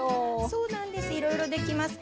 そうなんですいろいろできます。